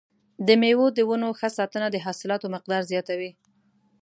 د مېوو د ونو ښه ساتنه د حاصلاتو مقدار زیاتوي.